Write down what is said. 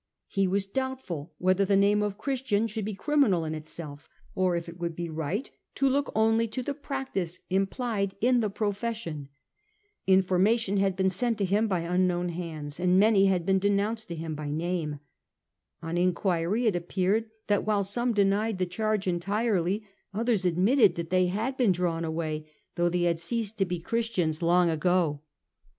He was doubtful whether the name of Christian should be criminal in itself, or if it would be right to look only to the practice implied in the profession. Information had been sent to him by unknown hands, and many had been denounced to him by name. On enquiry it appeared that while some denied the charge entirely, others admitted that they had been drawn away, though they had ceased to be Christians long ago.